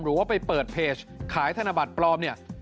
หรือว่าไปเปิดเพจขายธนบัตรปลอมเนี่ย